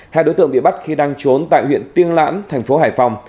hai đối tượng bị bắt khi đang trốn tại huyện tiên lãng thành phố hải phòng